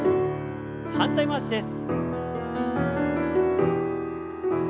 反対回しです。